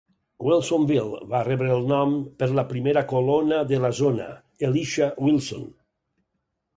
Wilsonville va rebre el nom per la primera colona de la zona, Elisha Wilson.